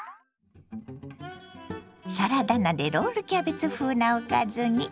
サラダ菜でロールキャベツ風なおかずに。